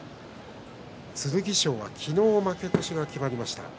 剣翔は昨日負け越しが決まりました。